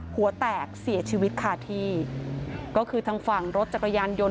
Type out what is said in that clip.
หัวแตกเสียชีวิตคาที่ก็คือทางฝั่งรถจักรยานยนต